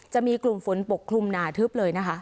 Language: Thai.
จะมีกลุ่มฝนปกคลุมหนาทึบเลยนะคะ